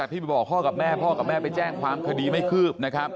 พ่อกับแม่ไปแจ้งคดีไม่คืบนะครับ